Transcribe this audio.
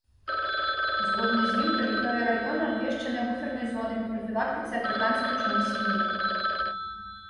Згодна з ім тэрыторыя раёна абвешчаная буфернай зонай па прафілактыцы афрыканскай чумы свіней.